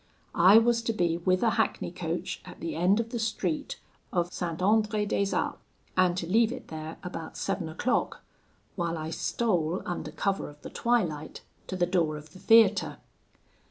I was to be with a hackney coach at the end of the street of St. Andre des arcs, and to leave it there about seven o'clock, while I stole, under cover of the twilight, to the door of the theatre.